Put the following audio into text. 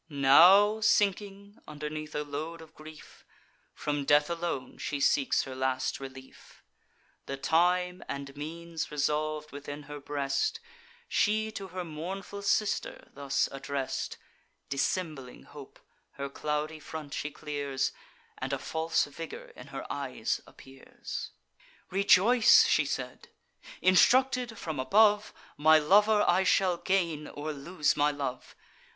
Now, sinking underneath a load of grief, From death alone she seeks her last relief; The time and means resolv'd within her breast, She to her mournful sister thus address'd (Dissembling hope, her cloudy front she clears, And a false vigour in her eyes appears): "Rejoice!" she said. "Instructed from above, My lover I shall gain, or lose my love.